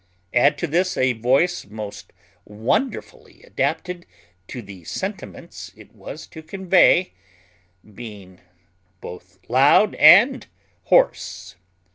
Add to this a voice most wonderfully adapted to the sentiments it was to convey, being both loud and hoarse.